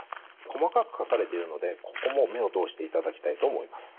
細かく書かれているのでここも目を通していただきたいと思います。